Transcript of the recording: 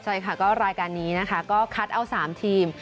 ใช่ค่ะก็รายการนี้นะคะก็คัดเอา๓ทีม